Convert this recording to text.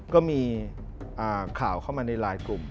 ก็มีข่าวเข้ามาในไลน์กลุ่ม